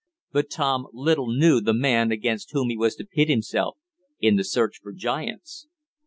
But Tom little knew the man against whom he was to pit himself in the search for giants.